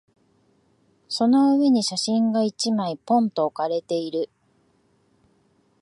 その上に写真が一枚、ぽんと置かれている。